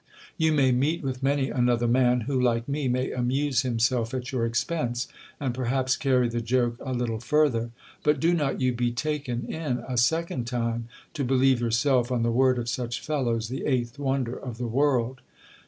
You may meet with many another man, who, like me, may amuse himself at your expense, and perhaps carry the joke a little further. But do not you be taken in a second time, to believe yourself, on the word of such fellows, the eighth wonder of the world.